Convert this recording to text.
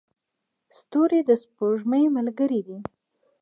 ستوري د سپوږمۍ ملګري دي.